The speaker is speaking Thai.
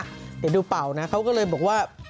เดี๋ยวดูเป่านะเขาก็เลยบอกว่า